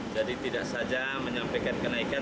jadi tidak saja menyampaikan kenaikan